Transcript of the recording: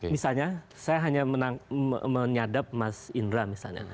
misalnya saya hanya menyadap mas indra misalnya